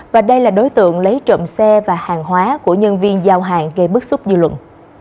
và đây là đối tượng lấy trộm xe và hàng hóa của nhân viên giao hàng gây bức xúc dư luận